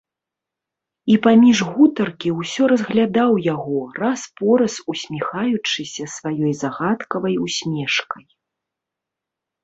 І паміж гутаркі ўсё разглядаў яго, раз-пораз усміхаючыся сваёй загадкавай усмешкай.